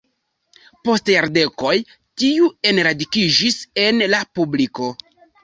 Post jardekoj tiu enradikiĝis en la publiko.